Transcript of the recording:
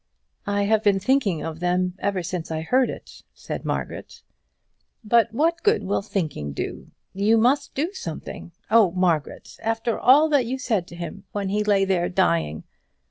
"I have been thinking of them ever since I heard it," said Margaret. "But what good will thinking do? You must do something. Oh! Margaret, after all that you said to him when he lay there dying!"